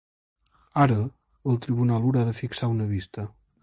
Ara, el tribunal haurà de fixar una vista.